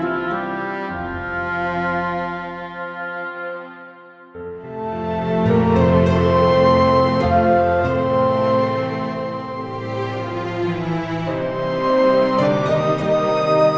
sam lebih cepat lagi sam